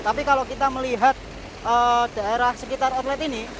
tapi kalau kita melihat daerah sekitar outlet ini